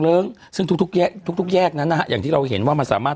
เลิ้งซึ่งทุกทุกแยกทุกทุกแยกนั้นนะฮะอย่างที่เราเห็นว่ามันสามารถ